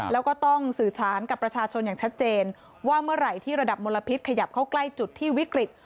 แล้วก็ต้องสื่อสารกับประชาชนอย่างชัดเจนว่าเมื่อไหร่ที่ระดับมลพิษขยับเข้าใกล้จุดที่วิกฤต